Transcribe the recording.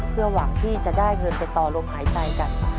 เพื่อหวังที่จะได้เงินไปต่อลมหายใจกัน